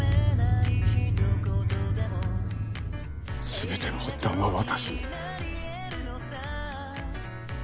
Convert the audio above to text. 全ての発端は私。